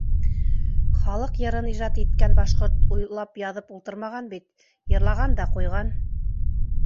Халыҡ йырын ижад иткән башҡорт уйлап яҙып ултырмаған бит, йырлаған да ҡуйған.